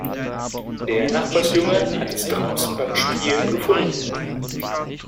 Der Nachbarsjunge hat es draußen beim Spielen gefunden.